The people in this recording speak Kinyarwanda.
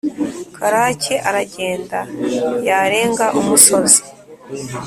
karake aragenda; yarenga umusozi,